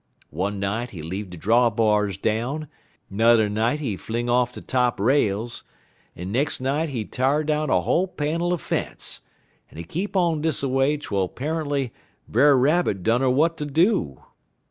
One night he leave de draw bars down, 'n'er night he fling off de top rails, en nex' night he t'ar down a whole panel er fence, en he keep on dis a way twel 'pariently Brer Rabbit dunner w'at ter do.